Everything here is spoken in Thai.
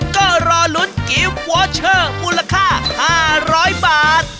ก็รอลุ้นกิฟต์วอเชอร์มูลค่า๕๐๐บาท